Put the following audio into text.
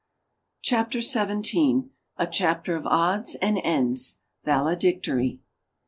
CHAPTER XVII. A CHAPTER OF ODDS AND ENDS VALEDICTORY.